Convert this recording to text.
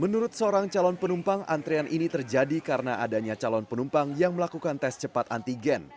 menurut seorang calon penumpang antrean ini terjadi karena adanya calon penumpang yang melakukan tes cepat antigen